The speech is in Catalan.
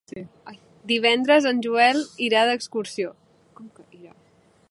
Divendres en Joel irà d'excursió.